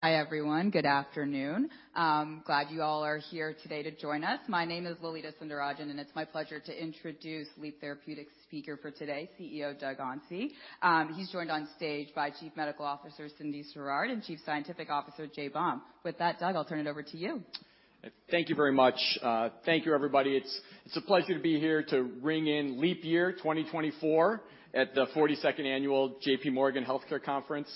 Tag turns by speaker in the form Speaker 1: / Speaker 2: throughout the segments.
Speaker 1: Hi, everyone. Good afternoon. Glad you all are here today to join us. My name is Lalitha Sundararajan, and it's my pleasure to introduce Leap Therapeutics' speaker for today, CEO Doug Onsi. He's joined on stage by Chief Medical Officer Cyndi Sirard, and Chief Scientific Officer Jason Baum. With that, Doug, I'll turn it over to you.
Speaker 2: Thank you very much. Thank you, everybody. It's a pleasure to be here to ring in Leap Year 2024 at the 42nd annual JPMorgan Healthcare Conference.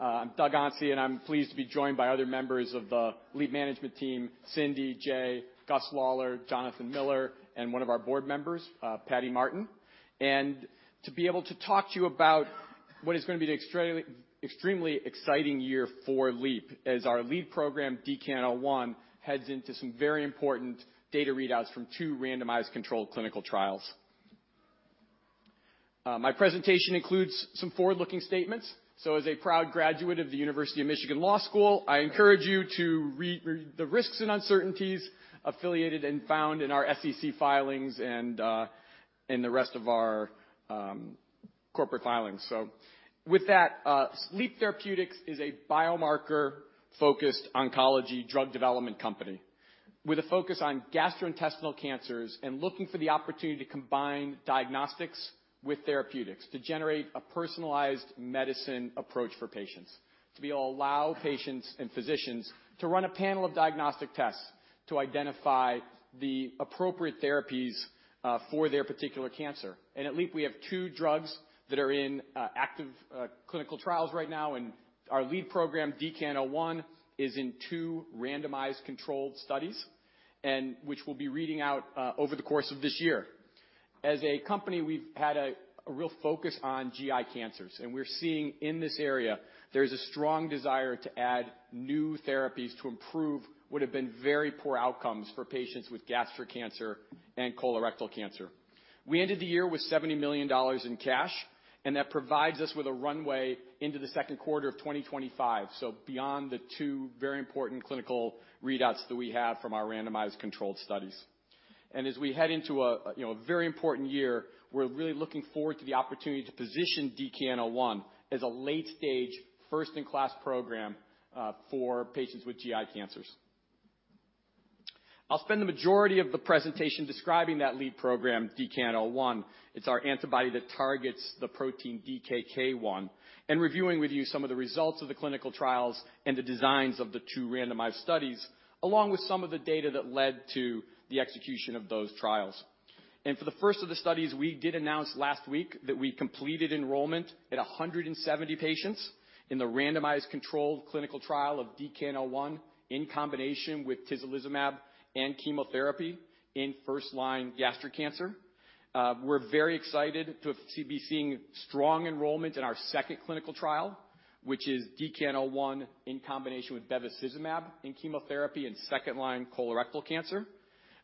Speaker 2: I'm Doug Onsi, and I'm pleased to be joined by other members of the Leap management team, Cyndi, Jay, Gus Lawlor, Jonathan Miller, and one of our board members, Patty Martin. And to be able to talk to you about what is gonna be an extremely, extremely exciting year for Leap, as our lead program, DKN-01, heads into some very important data readouts from two randomized controlled clinical trials. My presentation includes some forward-looking statements. So as a proud graduate of the University of Michigan Law School, I encourage you to read the risks and uncertainties affiliated and found in our SEC filings and in the rest of our corporate filings. So with that, Leap Therapeutics is a biomarker-focused oncology drug development company with a focus on gastrointestinal cancers and looking for the opportunity to combine diagnostics with therapeutics to generate a personalized medicine approach for patients. To be able to allow patients and physicians to run a panel of diagnostic tests, to identify the appropriate therapies, for their particular cancer. And at Leap, we have two drugs that are in active clinical trials right now, and our lead program, DKN-01, is in two randomized controlled studies, and which we'll be reading out over the course of this year. As a company, we've had a real focus on GI cancers, and we're seeing in this area there's a strong desire to add new therapies to improve what have been very poor outcomes for patients with gastric cancer and colorectal cancer. We ended the year with $70 million in cash, and that provides us with a runway into the second quarter of 2025, so beyond the two very important clinical readouts that we have from our randomized controlled studies. As we head into a, you know, a very important year, we're really looking forward to the opportunity to position DKN-01 as a late-stage, first-in-class program, for patients with GI cancers. I'll spend the majority of the presentation describing that lead program, DKN-01. It's our antibody that targets the protein DKK 1, and reviewing with you some of the results of the clinical trials and the designs of the two randomized studies, along with some of the data that led to the execution of those trials. For the first of the studies, we did announce last week that we completed enrollment at 170 patients in the randomized controlled clinical trial of DKN-01 in combination with tislelizumab and chemotherapy in first-line gastric cancer. We're very excited to, to be seeing strong enrollment in our second clinical trial, which is DKN-01 in combination with bevacizumab and chemotherapy in second-line colorectal cancer.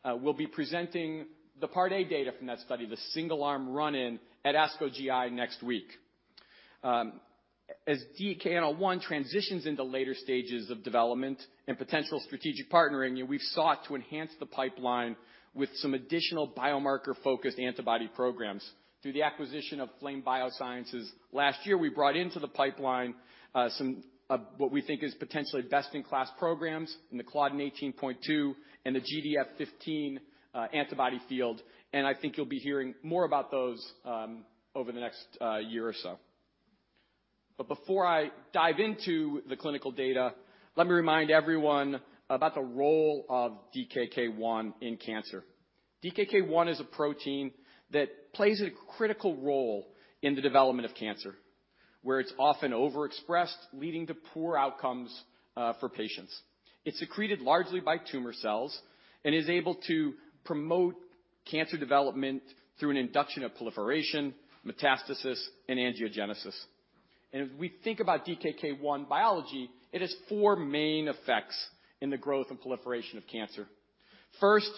Speaker 2: We'll be presenting the Part A data from that study, the single-arm run-in at ASCO GI next week. As DKN-01 transitions into later stages of development and potential strategic partnering, we've sought to enhance the pipeline with some additional biomarker-focused antibody programs. Through the acquisition of Flame Biosciences last year, we brought into the pipeline, some, what we think is potentially best-in-class programs in the claudin 18.2 and the GDF-15, antibody field, and I think you'll be hearing more about those, over the next, year or so. But before I dive into the clinical data, let me remind everyone about the role of DKK-1 in cancer. DKK-1 is a protein that plays a critical role in the development of cancer, where it's often overexpressed, leading to poor outcomes, for patients. It's secreted largely by tumor cells and is able to promote cancer development through an induction of proliferation, metastasis, and angiogenesis. As we think about DKK-1 biology, it has four main effects in the growth and proliferation of cancer. First,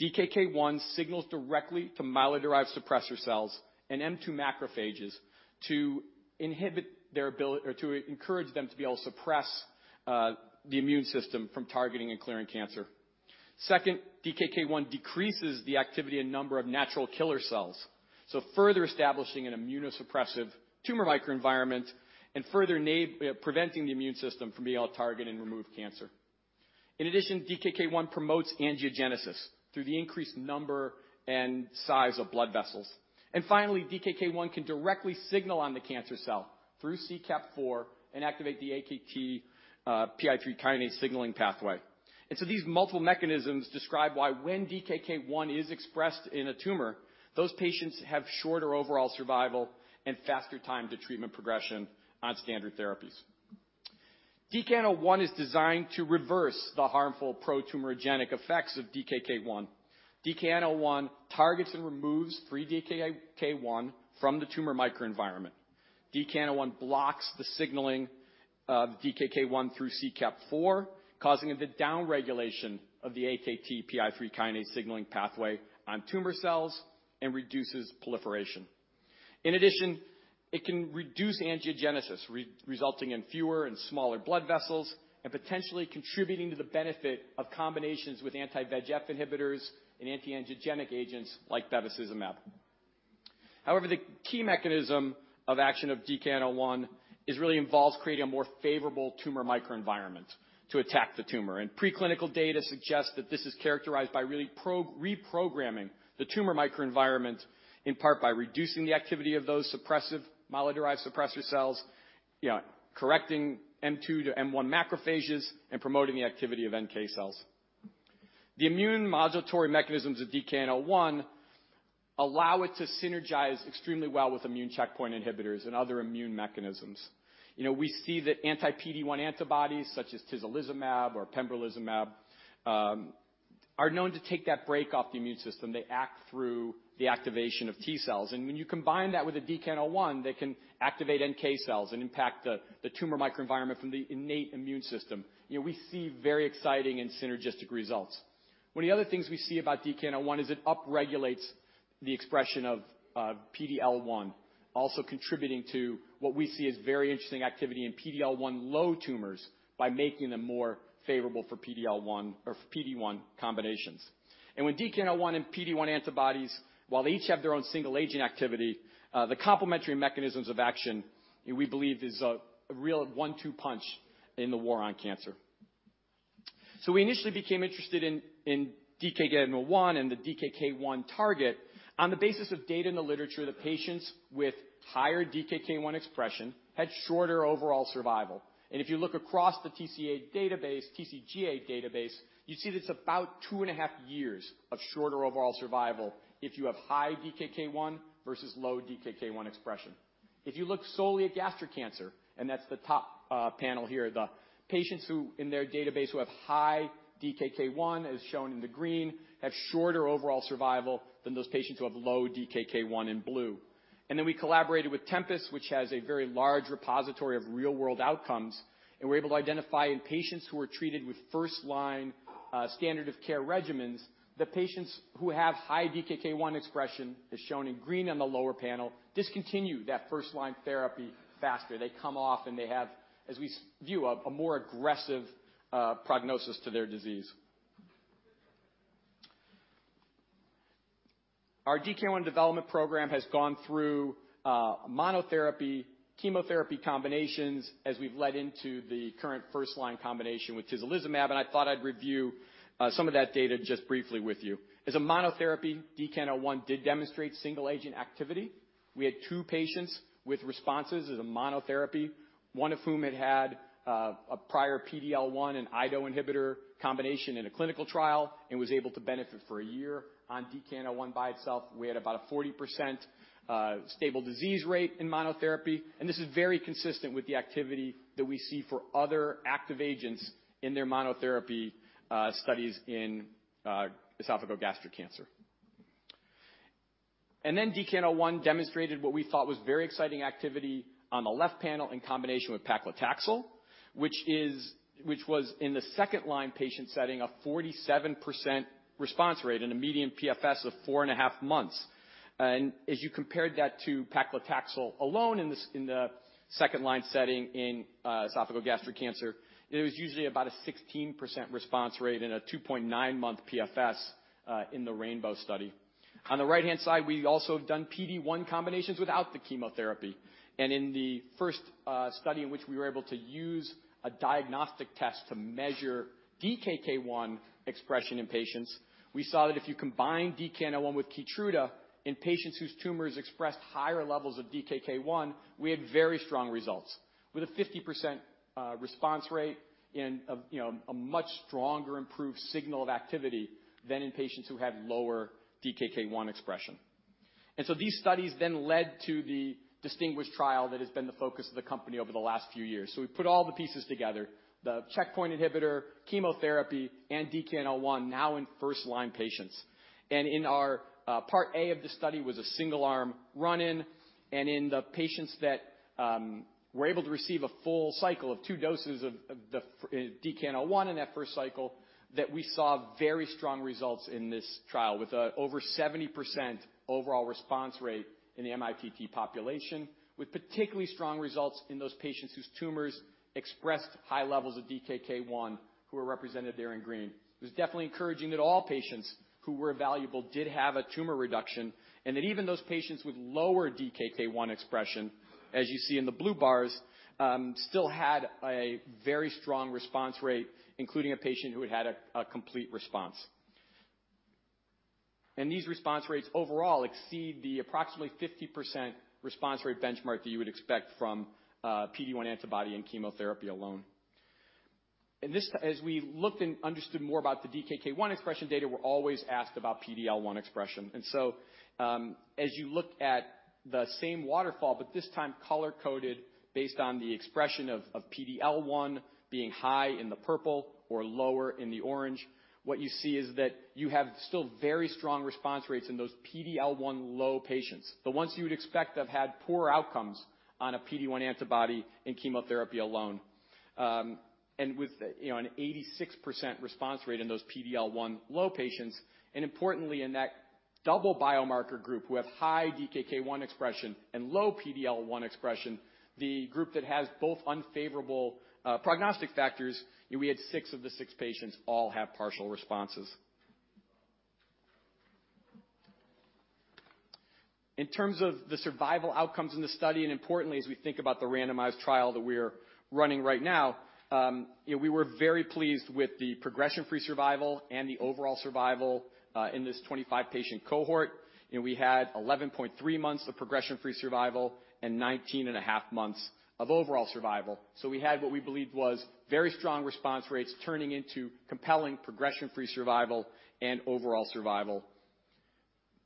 Speaker 2: DKK-1 signals directly to myeloid-derived suppressor cells and M2 macrophages to inhibit their ability or to encourage them to be able to suppress the immune system from targeting and clearing cancer. Second, DKK-1 decreases the activity and number of natural killer cells, so further establishing an immunosuppressive tumor microenvironment and further preventing the immune system from being able to target and remove cancer. In addition, DKK-1 promotes angiogenesis through the increased number and size of blood vessels. Finally, DKK-1 can directly signal on the cancer cell through CKAP4 and activate the AKT/PI3K signaling pathway. So these multiple mechanisms describe why when DKK-1 is expressed in a tumor, those patients have shorter overall survival and faster time to treatment progression on standard therapies. DKN-01 is designed to reverse the harmful pro-tumorigenic effects of DKK-1. DKN-01 targets and removes free 1 from the tumor microenvironment. DKN-01 blocks the signaling of DKK 1 through CKAP4, causing the downregulation of the AKT/PI3K signaling pathway on tumor cells and reduces proliferation. In addition, it can reduce angiogenesis, resulting in fewer and smaller blood vessels, and potentially contributing to the benefit of combinations with anti-VEGF inhibitors and anti-angiogenic agents like bevacizumab... However, the key mechanism of action of DKN-01 is really involves creating a more favorable tumor microenvironment to attack the tumor. Preclinical data suggests that this is characterized by really reprogramming the tumor microenvironment, in part by reducing the activity of those suppressive myeloid-derived suppressor cells, yeah, correcting M2 to M1 macrophages, and promoting the activity of NK cells. The immune modulatory mechanisms of DKN-01 allow it to synergize extremely well with immune checkpoint inhibitors and other immune mechanisms. You know, we see that anti-PD-1 antibodies, such as tislelizumab or pembrolizumab, are known to take that brake off the immune system. They act through the activation of T-cells, and when you combine that with a DKN-01, they can activate NK cells and impact the tumor microenvironment from the innate immune system. You know, we see very exciting and synergistic results. One of the other things we see about DKN-01 is it upregulates the expression of PD-L1, also contributing to what we see as very interesting activity in PD-L1-low tumors by making them more favorable for PD-L1 or PD-1 combinations. And when DKN-01 and PD-1 antibodies, while they each have their own single agent activity, the complementary mechanisms of action, we believe, is a real one-two punch in the war on cancer. So we initially became interested in DKK 1 and the DKK 1 target on the basis of data in the literature that patients with higher DKK 1 expression had shorter overall survival. If you look across the TCGA database, you see that it's about 2.5 years of shorter overall survival if you have high DKK 1 versus low DKK 1 expression. If you look solely at gastric cancer, and that's the top panel here, the patients who, in their database, who have high DKK 1, as shown in the green, have shorter overall survival than those patients who have low DKK 1 in blue. Then we collaborated with Tempus, which has a very large repository of real-world outcomes, and we're able to identify in patients who were treated with first-line, standard of care regimens, that patients who have high DKK 1 expression, as shown in green on the lower panel, discontinue that first-line therapy faster. They come off and they have, as we view, a more aggressive prognosis to their disease. Our DKN-01 development program has gone through, monotherapy, chemotherapy combinations, as we've led into the current first-line combination with tislelizumab, and I thought I'd review, some of that data just briefly with you. As a monotherapy, DKN-01 did demonstrate single-agent activity. We had two patients with responses as a monotherapy, one of whom had had a prior PD-L1 and IDO inhibitor combination in a clinical trial and was able to benefit for a year on DKN-01 by itself. We had about a 40% stable disease rate in monotherapy, and this is very consistent with the activity that we see for other active agents in their monotherapy studies in esophageal gastric cancer. And then DKN-01 demonstrated what we thought was very exciting activity on the left panel in combination with paclitaxel, which was in the second-line patient setting, a 47% response rate and a median PFS of four and a half months. As you compared that to paclitaxel alone in the second-line setting in esophageal gastric cancer, it was usually about a 16% response rate and a 2.9-month PFS in the Rainbow study. On the right-hand side, we've also done PD-1 combinations without the chemotherapy. In the first study in which we were able to use a diagnostic test to measure DKK 1 expression in patients, we saw that if you combine DKN-01 with Keytruda in patients whose tumors expressed higher levels of DKK 1, we had very strong results with a 50% response rate and a, you know, a much stronger improved signal of activity than in patients who had lower DKK 1 expression. So these studies then led to the DisTinGuish trial that has been the focus of the company over the last few years. So we put all the pieces together, the checkpoint inhibitor, chemotherapy, and DKN-01, now in first-line patients. And in our part A of the study was a single-arm run-in, and in the patients that were able to receive a full cycle of two doses of the DKN-01 in that first cycle, that we saw very strong results in this trial with over 70% overall response rate in the MITT population, with particularly strong results in those patients whose tumors expressed high levels of DKK 1, who are represented there in green. It was definitely encouraging that all patients who were evaluable did have a tumor reduction, and that even those patients with lower DKK 1 expression, as you see in the blue bars, still had a very strong response rate, including a patient who had had a complete response. These response rates overall exceed the approximately 50% response rate benchmark that you would expect from PD-1 antibody and chemotherapy alone. And this. As we looked and understood more about the DKK 1 expression data, we're always asked about PD-L1 expression. And so, as you look at the same waterfall, but this time color-coded, based on the expression of PD-L1 being high in the purple or lower in the orange, what you see is that you have still very strong response rates in those PD-L1 low patients, the ones you would expect to have had poor outcomes on a PD-1 antibody and chemotherapy alone. and with, you know, an 86% response rate in those PD-L1 low patients, and importantly, in that double biomarker group who have high DKK 1 expression and low PD-L1 expression, the group that has both unfavorable, prognostic factors, we had 6 of the 6 patients all have partial responses.... In terms of the survival outcomes in the study, and importantly, as we think about the randomized trial that we are running right now, we were very pleased with the progression-free survival and the overall survival, in this 25 patient cohort. We had 11.3 months of progression-free survival and 19.5 months of overall survival. So we had what we believed was very strong response rates, turning into compelling progression-free survival and overall survival.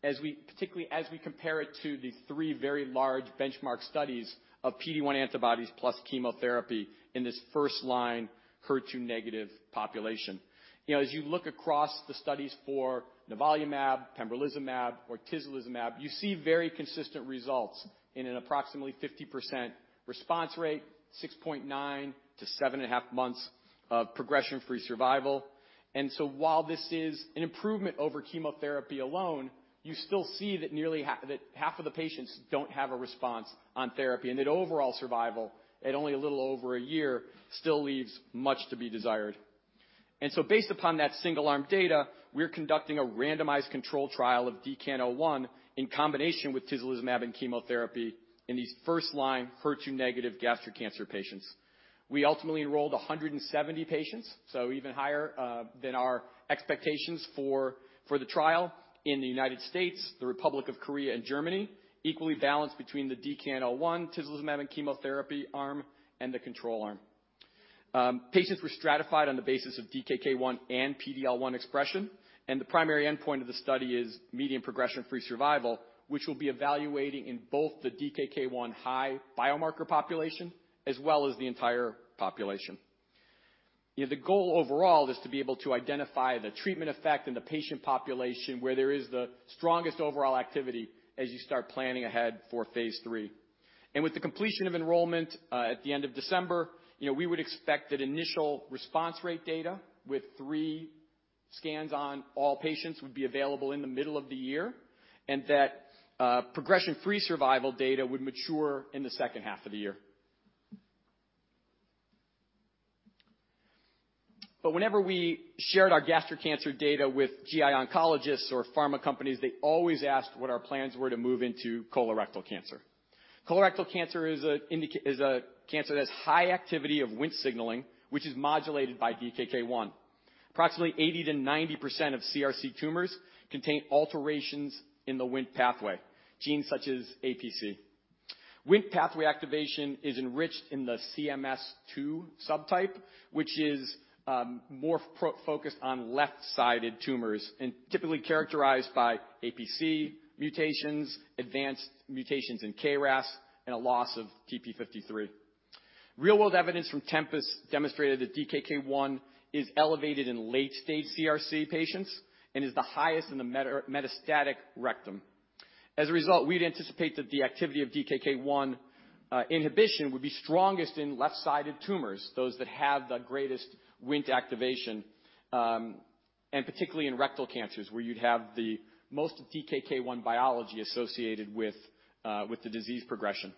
Speaker 2: As we, particularly, as we compare it to the three very large benchmark studies of PD-1 antibodies plus chemotherapy in this first-line HER2 negative population. You know, as you look across the studies for nivolumab, pembrolizumab, or tislelizumab, you see very consistent results in an approximately 50% response rate, 6.9-7.5 months of progression-free survival. And so while this is an improvement over chemotherapy alone, you still see that nearly half, that half of the patients don't have a response on therapy, and that overall survival, at only a little over a year, still leaves much to be desired. And so based upon that single-arm data, we're conducting a randomized controlled trial of DKN-01 in combination with tislelizumab and chemotherapy in these first-line HER2 negative gastric cancer patients. We ultimately enrolled 170 patients, so even higher than our expectations for the trial in the United States, the Republic of Korea and Germany, equally balanced between the DKN-01, tislelizumab and chemotherapy arm and the control arm. Patients were stratified on the basis of DKK 1 and PD-L1 expression, and the primary endpoint of the study is median progression-free survival, which will be evaluating in both the DKK 1 high biomarker population as well as the entire population. The goal overall is to be able to identify the treatment effect in the patient population, where there is the strongest overall activity as you start planning ahead for phase 3. With the completion of enrollment at the end of December, you know, we would expect that initial response rate data with three scans on all patients would be available in the middle of the year, and that progression-free survival data would mature in the second half of the year. But whenever we shared our gastric cancer data with GI oncologists or pharma companies, they always asked what our plans were to move into colorectal cancer. Colorectal cancer is a cancer that has high activity of WNT signaling, which is modulated by DKK-1. Approximately 80%-90% of CRC tumors contain alterations in the WNT pathway, genes such as APC. WNT pathway activation is enriched in the CMS 2 subtype, which is more pro-focused on left-sided tumors and typically characterized by APC mutations, advanced mutations in KRAS, and a loss of TP53. Real-world evidence from Tempus demonstrated that DKK 1 is elevated in late-stage CRC patients and is the highest in the metastatic rectal. As a result, we'd anticipate that the activity of DKK 1 inhibition would be strongest in left-sided tumors, those that have the greatest WNT activation, and particularly in rectal cancers, where you'd have the most 1 biology associated with the disease progression.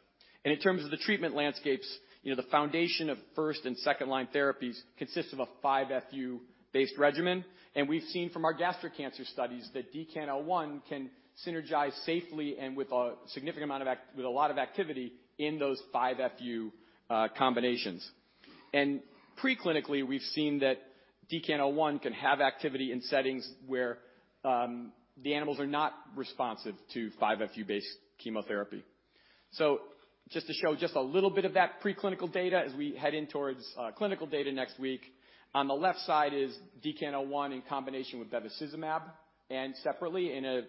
Speaker 2: In terms of the treatment landscapes, you know, the foundation of first- and second-line therapies consists of a 5-FU-based regimen. We've seen from our gastric cancer studies that DKN-01 can synergize safely and with a lot of activity in those 5-FU combinations. Preclinically, we've seen that DKN-01 can have activity in settings where the animals are not responsive to 5-FU-based chemotherapy. So just to show just a little bit of that preclinical data as we head in towards clinical data next week. On the left side is DKN-01 in combination with bevacizumab, and separately in a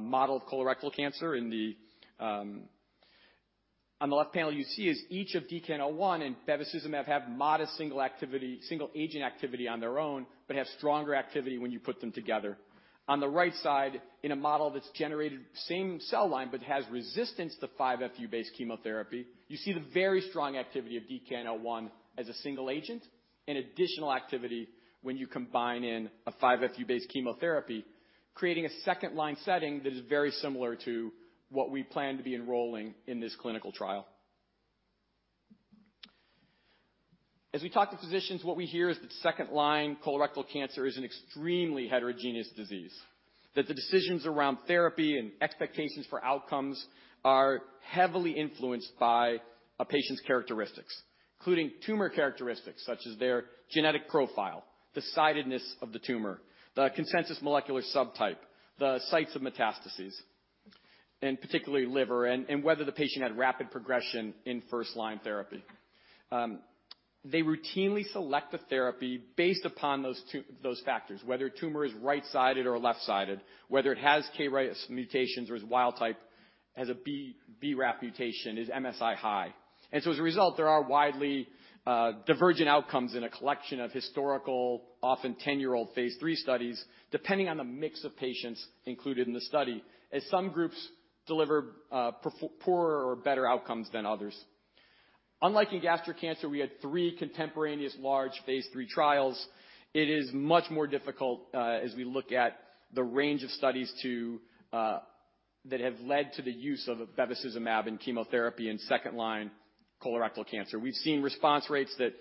Speaker 2: model of colorectal cancer in the. On the left panel, you see is each of DKN-01 and bevacizumab have modest single activity, single agent activity on their own, but have stronger activity when you put them together. On the right side, in a model that's generated same cell line but has resistance to 5-FU based chemotherapy, you see the very strong activity of DKN-01 as a single agent, and additional activity when you combine in a 5-FU based chemotherapy, creating a second line setting that is very similar to what we plan to be enrolling in this clinical trial. As we talk to physicians, what we hear is that second-line colorectal cancer is an extremely heterogeneous disease, that the decisions around therapy and expectations for outcomes are heavily influenced by a patient's characteristics, including tumor characteristics such as their genetic profile, the sidedness of the tumor, the consensus molecular subtype, the sites of metastases, and particularly liver, and whether the patient had rapid progression in first-line therapy. They routinely select the therapy based upon those factors, whether a tumor is right-sided or left-sided, whether it has KRAS mutations or is wild type, has a BRAF mutation, is MSI-high. So as a result, there are widely divergent outcomes in a collection of historical, often ten-year-old phase 3 studies, depending on the mix of patients included in the study, as some groups deliver poor or better outcomes than others. Unlike in gastric cancer, we had three contemporaneous large phase III trials. It is much more difficult, as we look at the range of studies that have led to the use of bevacizumab and chemotherapy in second-line colorectal cancer. We've seen response rates that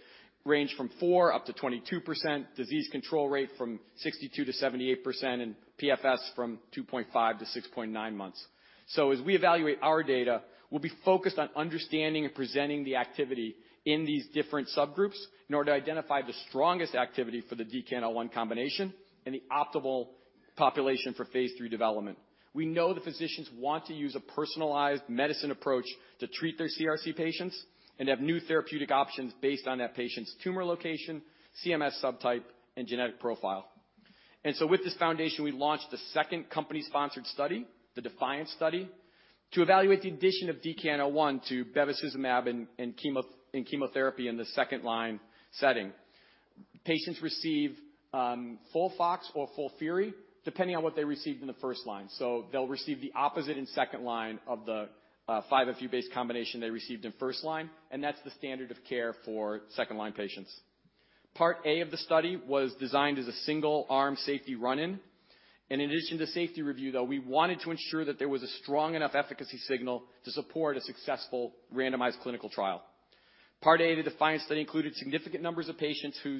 Speaker 2: range from 4% up to 22%, disease control rate from 62%-78%, and PFS from 2.5-6.9 months. So as we evaluate our data, we'll be focused on understanding and presenting the activity in these different subgroups in order to identify the strongest activity for the DKN-01 combination and the optimal population for phase III development. We know the physicians want to use a personalized medicine approach to treat their CRC patients and have new therapeutic options based on that patient's tumor location, CMS subtype, and genetic profile. And so with this foundation, we launched the second company-sponsored study, the DeFianCe study, to evaluate the addition of DKN-01 to bevacizumab and chemo and chemotherapy in the second-line setting. Patients receive FOLFOX or FOLFIRI, depending on what they received in the first line. So they'll receive the opposite in second line of the 5-FU-based combination they received in first line, and that's the standard of care for second-line patients. Part A of the study was designed as a single-arm safety run-in. And in addition to safety review, though, we wanted to ensure that there was a strong enough efficacy signal to support a successful randomized clinical trial. Part A of the DeFianCe study included significant numbers of patients who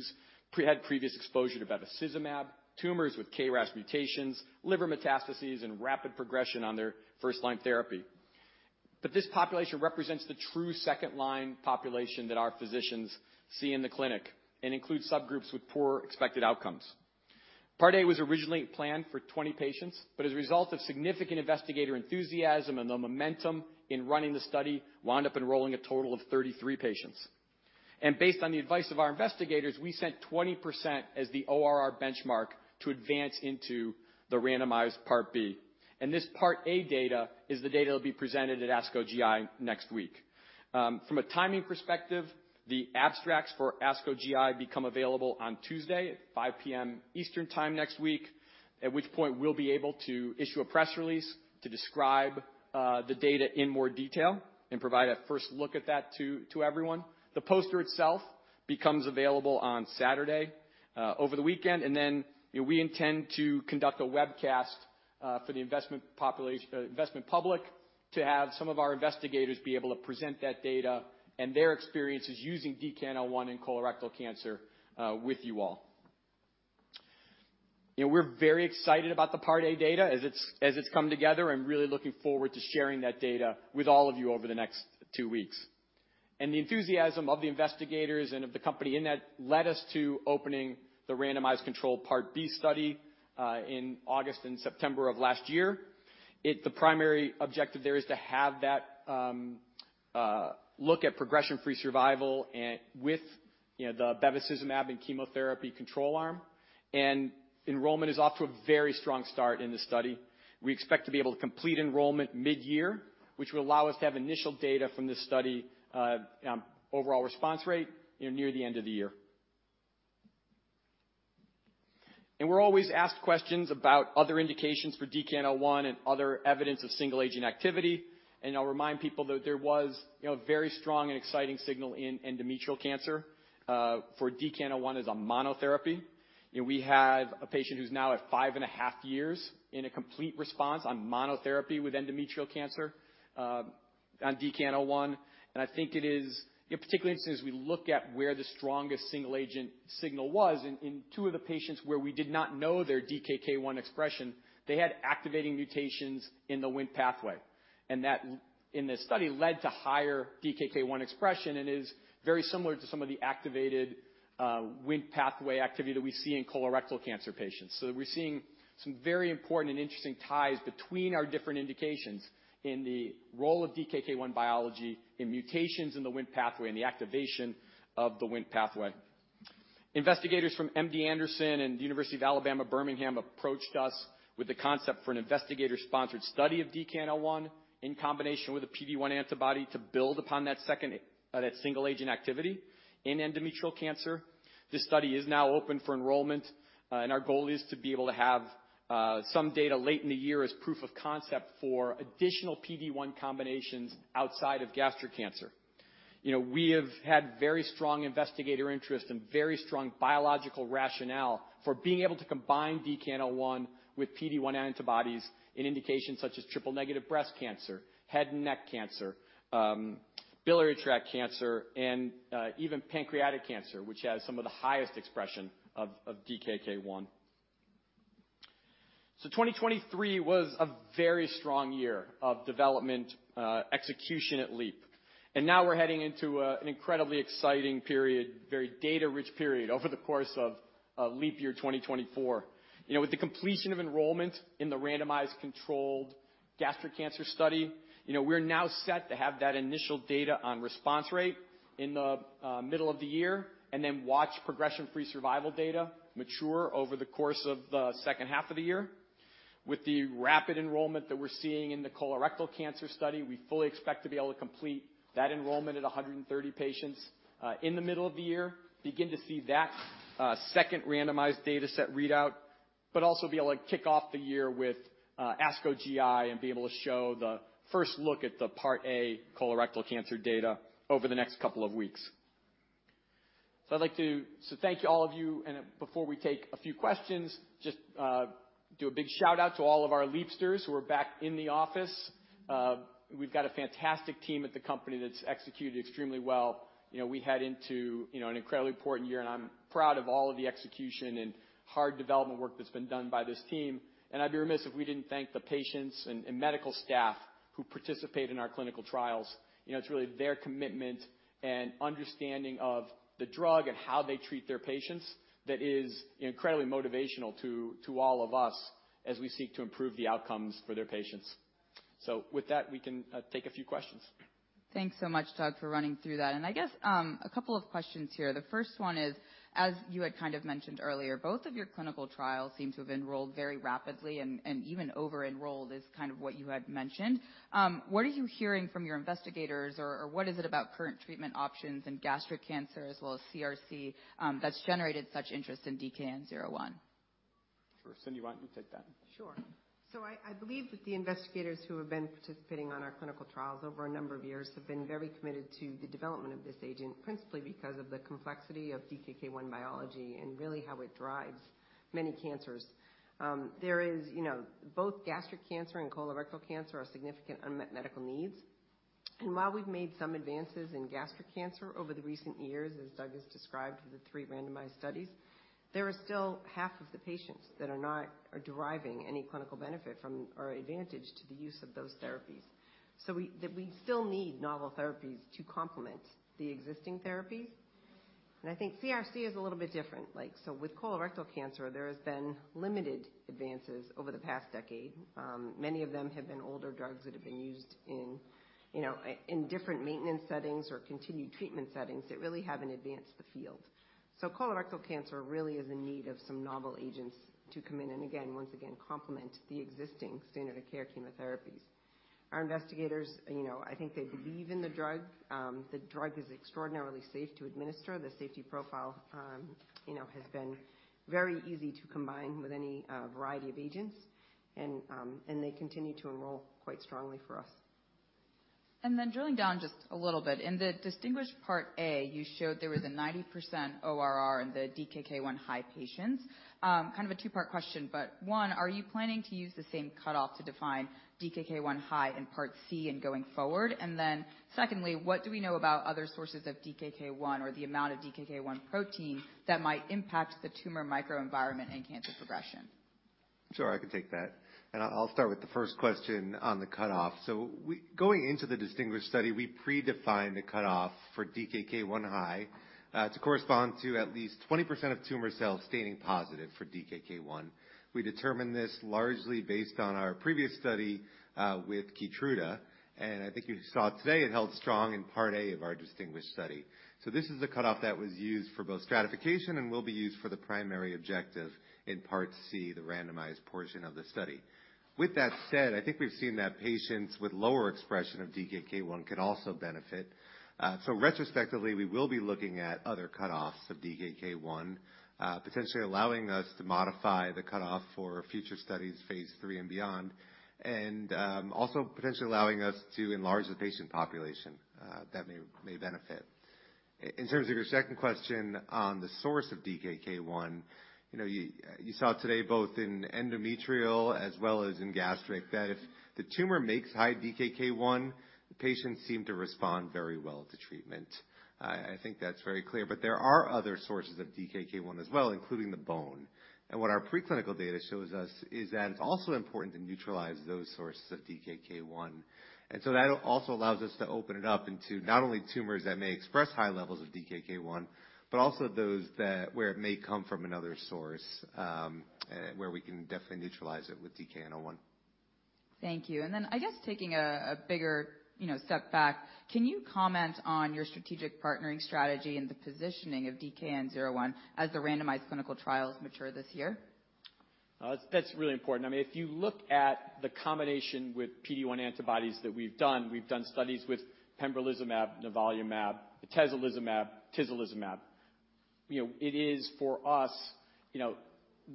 Speaker 2: had previous exposure to bevacizumab, tumors with KRAS mutations, liver metastases, and rapid progression on their first-line therapy. This population represents the true second-line population that our physicians see in the clinic and includes subgroups with poor expected outcomes. Part A was originally planned for 20 patients, but as a result of significant investigator enthusiasm and the momentum in running the study, wound up enrolling a total of 33 patients. Based on the advice of our investigators, we set 20% as the ORR benchmark to advance into the randomized Part B. This Part A data is the data that will be presented at ASCO GI next week. From a timing perspective, the abstracts for ASCO GI become available on Tuesday at 5 P.M. Eastern time next week, at which point we'll be able to issue a press release to describe the data in more detail and provide a first look at that to everyone. The poster itself becomes available on Saturday over the weekend, and then, we intend to conduct a webcast for the investment population, investment public, to have some of our investigators be able to present that data and their experiences using DKN-01 in colorectal cancer with you all. You know, we're very excited about the Part A data as it's come together, and really looking forward to sharing that data with all of you over the next two weeks. The enthusiasm of the investigators and of the company in that led us to opening the randomized control Part B study in August and September of last year. It... The primary objective there is to have that look at progression-free survival and with, you know, the bevacizumab and chemotherapy control arm, and enrollment is off to a very strong start in this study. We expect to be able to complete enrollment mid-year, which will allow us to have initial data from this study, overall response rate, you know, near the end of the year. And we're always asked questions about other indications for DKN-01 and other evidence of single-agent activity. And I'll remind people that there was, you know, a very strong and exciting signal in endometrial cancer for DKN-01 as a monotherapy. You know, we have a patient who's now at 5.5 years in a complete response on monotherapy with endometrial cancer on DKN-01, and I think it is, you know, particularly since we look at where the strongest single agent signal was in two of the patients where we did not know their DKK 1 expression, they had activating mutations in the Wnt pathway. And that, in this study, led to higher DKK 1 expression and is very similar to some of the activated Wnt pathway activity that we see in colorectal cancer patients. So we're seeing some very important and interesting ties between our different indications in the role of DKK 1 biology in mutations in the Wnt pathway and the activation of the Wnt pathway. Investigators from MD Anderson and University of Alabama at Birmingham approached us with the concept for an investigator-sponsored study of DKN-01 in combination with a PD-1 antibody to build upon that second, that single-agent activity in endometrial cancer. This study is now open for enrollment, and our goal is to be able to have, some data late in the year as proof of concept for additional PD-1 combinations outside of gastric cancer. You know, we have had very strong investigator interest and very strong biological rationale for being able to combine DKN-01 with PD-1 antibodies in indications such as triple-negative breast cancer, head and neck cancer, biliary tract cancer, and, even pancreatic cancer, which has some of the highest expression of, of DKK 1. So 2023 was a very strong year of development, execution at Leap. And now we're heading into, an incredibly exciting period, very data-rich period over the course of, Leap year 2024. You know, with the completion of enrollment in the randomized controlled gastric cancer study, you know, we're now set to have that initial data on response rate in the, middle of the year and then watch progression-free survival data mature over the course of the second half of the year. With the rapid enrollment that we're seeing in the colorectal cancer study, we fully expect to be able to complete that enrollment at 130 patients, in the middle of the year, begin to see that, second randomized dataset readout, but also be able to kick off the year with, ASCO GI and be able to show the first look at the Part A colorectal cancer data over the next couple of weeks. So I'd like to thank all of you, and before we take a few questions, just, do a big shout-out to all of our Leapsters who are back in the office. We've got a fantastic team at the company that's executed extremely well. You know, we head into, you know, an incredibly important year, and I'm proud of all of the execution and hard development work that's been done by this team. I'd be remiss if we didn't thank the patients and medical staff who participate in our clinical trials. You know, it's really their commitment and understanding of the drug and how they treat their patients that is incredibly motivational to all of us as we seek to improve the outcomes for their patients. So with that, we can take a few questions.
Speaker 1: Thanks so much, Doug, for running through that. I guess, a couple of questions here. The first one is, as you had kind of mentioned earlier, both of your clinical trials seem to have enrolled very rapidly, and even over-enrolled is kind of what you had mentioned. What are you hearing from your investigators, or what is it about current treatment options in gastric cancer as well as CRC, that's generated such interest in DKN-01?
Speaker 2: Sure. Cyndi, you want me to take that?
Speaker 3: Sure. So I believe that the investigators who have been participating on our clinical trials over a number of years have been very committed to the development of this agent, principally because of the complexity of DKK-1 biology and really how it drives many cancers. There is, you know, both gastric cancer and colorectal cancer are significant unmet medical needs, and while we've made some advances in gastric cancer over the recent years, as Doug has described with the three randomized studies, there are still half of the patients that are not deriving any clinical benefit from or advantage to the use of those therapies. So we still need novel therapies to complement the existing therapies, and I think CRC is a little bit different. Like, so with colorectal cancer, there has been limited advances over the past decade. Many of them have been older drugs that have been used in, you know, in different maintenance settings or continued treatment settings that really haven't advanced the field. So colorectal cancer really is in need of some novel agents to come in, and again, once again, complement the existing standard of care chemotherapies. Our investigators, you know, I think they believe in the drug. The drug is extraordinarily safe to administer. The safety profile, you know, has been very easy to combine with any variety of agents, and they continue to enroll quite strongly for us.
Speaker 1: And then drilling down just a little bit. In the DisTinGuish part A, you showed there was a 90% ORR in the DKN-01 high patients. Kind of a two-part question, but one, are you planning to use the same cutoff to define DKN-01 high in part C and going forward? And then, secondly, what do we know about other sources of DKK 1 or the amount of DKK 1 protein that might impact the tumor microenvironment and cancer progression?
Speaker 4: Sure, I can take that, and I'll start with the first question on the cutoff. So, going into the DisTinGuish study, we predefined the cutoff for DKK-1 high to correspond to at least 20% of tumor cells staining positive for DKK-1. We determined this largely based on our previous study with Keytruda, and I think you saw today it held strong in part A of our DisTinGuish study. So this is the cutoff that was used for both stratification and will be used for the primary objective in part C, the randomized portion of the study. With that said, I think we've seen that patients with lower expression of DKK-1 can also benefit. So retrospectively, we will be looking at other cutoffs of DKN-01, potentially allowing us to modify the cutoff for future studies, phase III and beyond, and also potentially allowing us to enlarge the patient population that may benefit. In terms of your second question on the source of DKN-01, you know, you saw today, both in endometrial as well as in gastric, that if the tumor makes high DKN-01, the patients seem to respond very well to treatment. I think that's very clear. But there are other sources of DKN-01 as well, including the bone. And what our preclinical data shows us is that it's also important to neutralize those sources of DKN-01. And so that also allows us to open it up into not only tumors that may express high levels of DKN-01, but also those that... where it may come from another source, where we can definitely neutralize it with DKN-01.
Speaker 1: Thank you. And then I guess taking a bigger, you know, step back, can you comment on your strategic partnering strategy and the positioning of DKN-01 as the randomized clinical trials mature this year?
Speaker 2: That's really important. I mean, if you look at the combination with PD-1 antibodies that we've done, we've done studies with pembrolizumab, nivolumab, atezolizumab, tislelizumab. You know, it is for us, you know,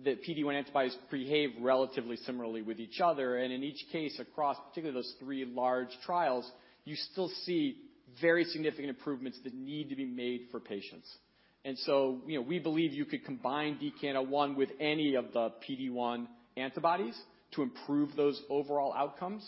Speaker 2: the PD-1 antibodies behave relatively similarly with each other, and in each case, across particularly those three large trials, you still see very significant improvements that need to be made for patients. And so, you know, we believe you could combine DKN-01 with any of the PD-1 antibodies to improve those overall outcomes.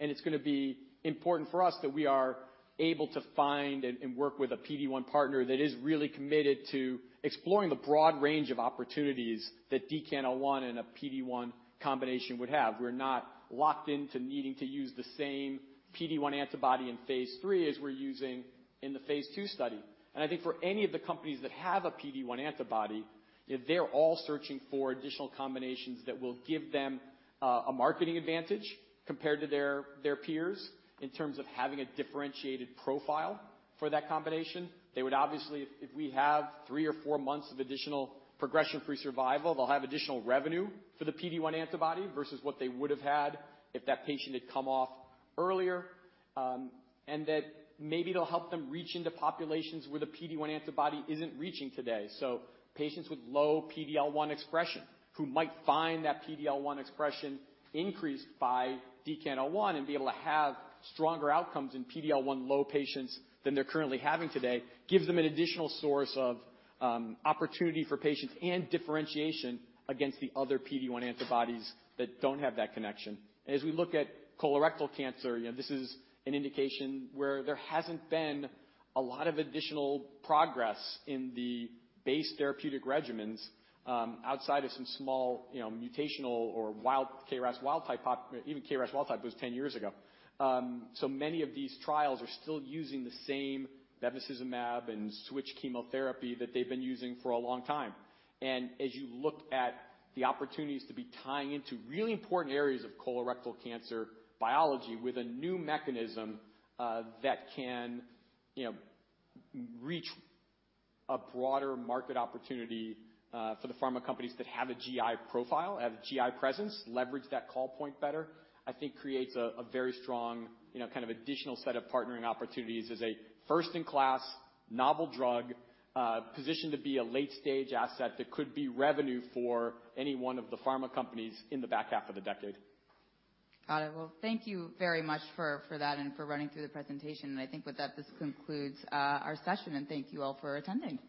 Speaker 2: And it's gonna be important for us that we are able to find and work with a PD-1 partner that is really committed to exploring the broad range of opportunities that DKN-01 and a PD-1 combination would have. We're not locked into needing to use the same PD-1 antibody in phase as we're using in the phase II study. I think for any of the companies that have a PD-1 antibody, they're all searching for additional combinations that will give them a marketing advantage compared to their peers in terms of having a differentiated profile for that combination. They would obviously, if we have three or four months of additional progression-free survival, they'll have additional revenue for the PD-1 antibody versus what they would have had if that patient had come off earlier. And that maybe it'll help them reach into populations where the PD-1 antibody isn't reaching today. So patients with low PD-L1 expression who might find that PD-L1 expression increased by DKN-01, and be able to have stronger outcomes in PD-L1 low patients than they're currently having today, gives them an additional source of opportunity for patients and differentiation against the other PD-1 antibodies that don't have that connection. As we look at colorectal cancer, you know, this is an indication where there hasn't been a lot of additional progress in the base therapeutic regimens, outside of some small mutational or wild KRAS wild type. Even KRAS wild type was 10 years ago. So many of these trials are still using the same vemurafenib and switch chemotherapy that they've been using for a long time. As you look at the opportunities to be tying into really important areas of colorectal cancer biology with a new mechanism, that can, you know, reach a broader market opportunity, for the pharma companies that have a GI profile, have a GI presence, leverage that call point better, I think creates a very strong, you know, kind of additional set of partnering opportunities as a first-in-class novel drug, positioned to be a late-stage asset that could be revenue for any one of the pharma companies in the back half of the decade.
Speaker 1: Got it. Well, thank you very much for that and for running through the presentation. I think with that, this concludes our session, and thank you all for attending.